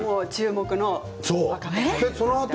注目の若手で。